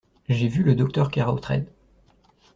J’ai vu le docteur Keraotred.